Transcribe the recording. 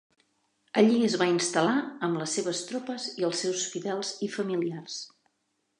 Allí es va instal·lar amb les seves tropes i els seus fidels i familiars.